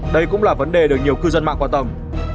đây cũng là vấn đề được nhiều cư dân mạng quan tâm